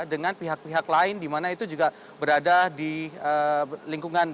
dengan pihak pihak lain di mana itu juga berada di lingkungan